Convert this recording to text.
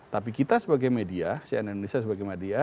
tapi kita sebagai media cn indonesia sebagai media